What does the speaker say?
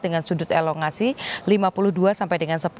dengan sudut elongasi lima puluh dua sampai dengan sepuluh